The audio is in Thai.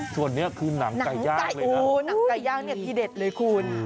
ส่วนนี้คือหนังไก่ย่างเลยนะโอ้หนังไก่ย่างเนี่ยทีเด็ดเลยคุณ